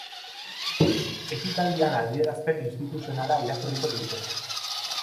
Ekitaldian adierazpen instituzionala irakurriko dute.